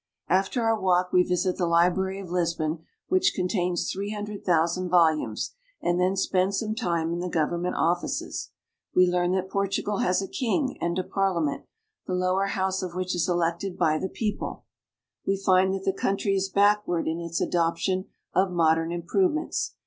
After our walk we visit the library of Lisbon, which con tains three hundred thousand volumes, and then spend some time in the government offices. We learn that Por tugal has a King, and a Parliament, the lower house of 450 PORTUGAL. which is elected by the people. We find that the country is backward in its adoption of modern improvements.